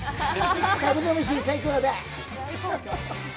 「カブトムシ最高だ」